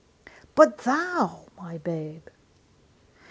But thou, my babe!